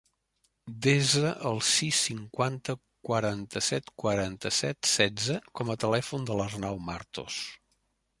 Desa el sis, cinquanta, quaranta-set, quaranta-set, setze com a telèfon de l'Arnau Martos.